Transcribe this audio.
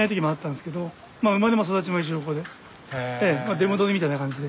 出戻りみたいな感じで。